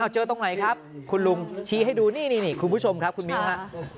ตรงไหนครับคุณลุงชี้ให้ดูนี่คุณผู้ชมครับคุณมิ้นฮะ